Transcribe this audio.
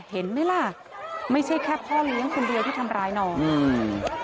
เห็นไหมล่ะไม่ใช่แค่พ่อเลี้ยงคนเดียวที่ทำร้ายน้องอืม